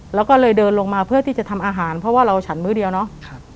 แล้วก็เลยเดินลงมาเพื่อที่จะทำอาหารเพราะว่าเราฉันมื้อเดียวเนาะ